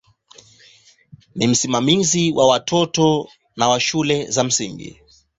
Ni msimamizi wa watoto na wa shule za msingi.